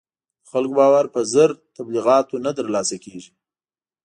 د خلکو باور په زر تبلیغاتو نه تر لاسه کېږي.